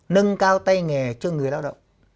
nâng cao tay nghề cho người lao động